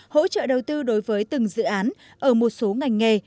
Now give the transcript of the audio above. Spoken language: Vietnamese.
hỗ trợ đầu tư đối với từng dự án ở một số ngành nghề